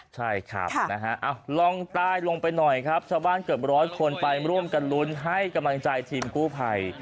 ใช่ครับนะฮะล่องใต้ลงไปหน่อยครับชาวบ้านเกือบร้อยคนไปร่วมกันลุ้นให้กำลังใจทีมกู้ภัย